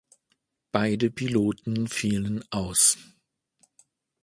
Beide Piloten fielen aus.